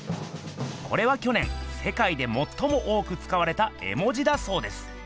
これはきょ年せかいでもっとも多くつかわれた絵文字だそうです。